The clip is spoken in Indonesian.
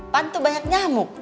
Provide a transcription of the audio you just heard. pan tuh banyak nyamuk